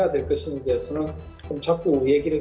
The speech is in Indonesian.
jadi mereka harus berbicara dengan pemain thailand